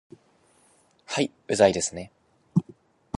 はい、うざいですね